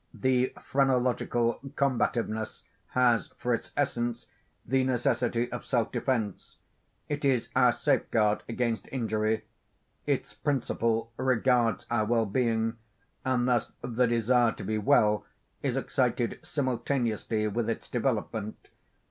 The phrenological combativeness has for its essence, the necessity of self defence. It is our safeguard against injury. Its principle regards our well being; and thus the desire to be well is excited simultaneously with its development.